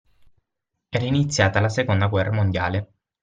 Era iniziata la seconda guerra mondiale.